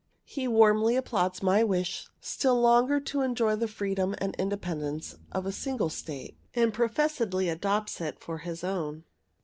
He warmly applauds my wish still longer to enjoy the freedom and independence of a single state, and professedly adopts it for his own.